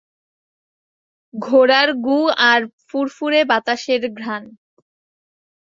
ঘোড়ার গু আর ফুরফুরে বাতাসের ঘ্রাণ।